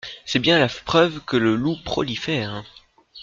C’est bien la preuve que le loup prolifère.